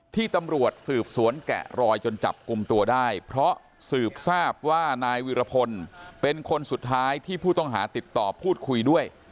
ที่ตำรวจสืบสวนแกะรอยจนจับกลุ่มตัวได้เพราะสืบทราบว่านายวิรพลเป็นคนสุดท้ายที่ผู้ต้องหาติดต่อพูดคุยด้วย